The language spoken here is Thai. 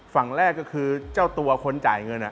ฝั่งแรกก็คือเจ้าตัวคนจ่ายเงิน